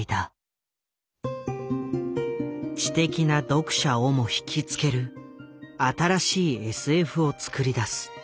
知的な読者をもひきつける新しいＳＦを作り出す。